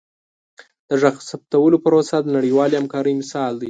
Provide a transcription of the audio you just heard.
د غږ ثبتولو پروسه د نړیوالې همکارۍ مثال دی.